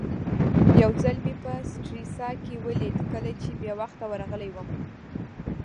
یو ځل مې په سټریسا کې ولید کله چې بې وخته ورغلی وم.